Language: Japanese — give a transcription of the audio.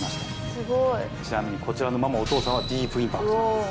すごいちなみにこちらの馬もお父さんはディープインパクトなんです